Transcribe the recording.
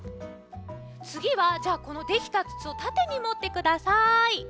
つぎはじゃあこのできたつつをたてにもってください。